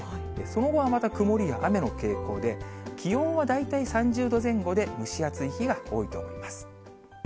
その後はまた曇りや雨の傾向で、気温は大体３０度前後で蒸し暑い日が多いと思います。